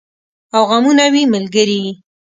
او غمونه وي ملګري